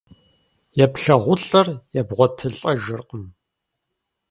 ЕплъагъулӀэр ебгъуэтылӀэжыркъым.